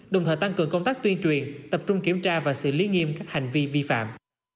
đồng thời tăng cường công tác tuyên truyền tập trung kiểm tra và xử lý nghiêm các hành vi vi phạm